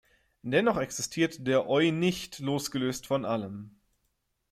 Dennoch existiert der Eunicht losgelöst von allem.